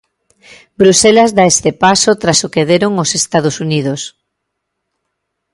Bruxelas da este paso tras o que deron os Estados Unidos.